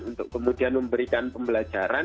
untuk kemudian memberikan pembelajaran